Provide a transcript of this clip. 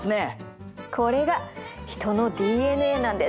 これがヒトのＤＮＡなんです。